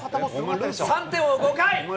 ３点を追う５回。